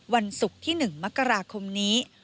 วันศุกร์ที่๑มกราคมนี้